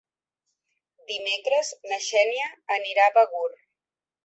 Dimecres na Xènia anirà a Begur.